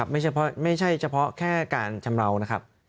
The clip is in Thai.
ไม่ใช่เฉพาะแค่การชำเลานะครับ